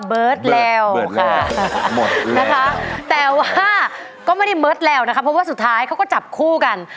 เบิร์ตแล้วค่ะหมดนะคะแต่ว่าก็ไม่ได้เบิร์ดแล้วนะคะเพราะว่าสุดท้ายเขาก็จับคู่กัน